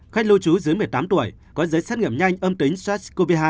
khách lưu trú dưới một mươi tám tuổi có giấy xét nghiệm nhanh âm tính sars cov hai